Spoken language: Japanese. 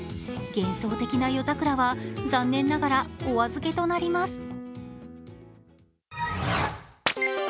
幻想的な夜桜は残念ながらお預けとなります。